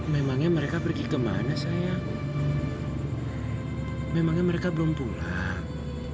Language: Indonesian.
memangnya mereka pergi kemana saya memangnya mereka belum pulang